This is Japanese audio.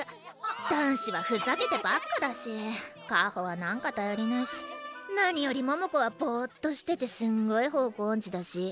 男子はふざけてばっかだし香穂は何かたよりないし何より桃子はぼっとしててすんごい方向おんちだし。